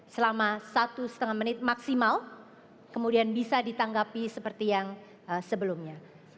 selama satu setengah menit maksimal kemudian bisa ditanggapi seperti yang sebelumnya